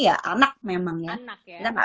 ya anak memang ya anak ya kita